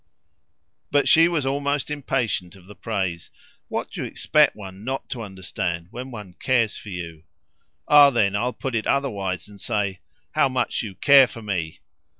But she was almost impatient of the praise. "What do you expect one NOT to understand when one cares for you?" "Ah then I'll put it otherwise and say 'How much you care for me!'"